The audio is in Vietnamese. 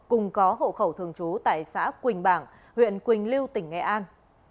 cùng có hộ khẩu thường trú tại xã quỳnh bảng huyện quỳnh lưu tỉnh nghệ an